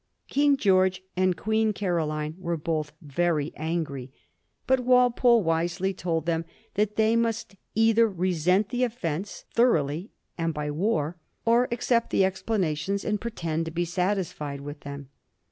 King George and Queen Caroline were both very angry, but Walpole wisely told them that they must either resent the offence thoroughly, and by war, or accept the explanations and pretend to be satisfied with them.